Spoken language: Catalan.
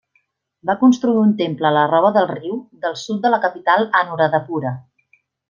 Va construir un temple a la roba del riu del sud de la capital Anuradhapura.